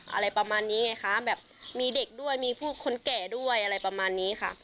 อะไรประมาณนี้ไงคะแบบมีเด็กด้วยมีผู้คนแก่ด้วยอะไรประมาณนี้ค่ะ